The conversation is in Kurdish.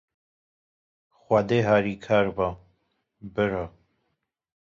Xwedê harî kar be, bira